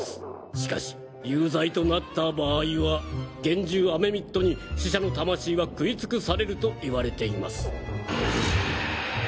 しかし有罪となった場合は幻獣アメミットに死者の魂は食いつくされると言われています。